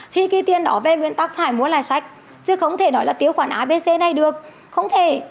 thì cái tiền đó về nguyên tắc phải mua lại sách chứ không thể nói là tiêu khoản abc này được không thể